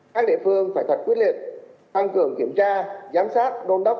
các địa phương phải thật quyết liệt tăng cường kiểm tra giám sát đôn đốc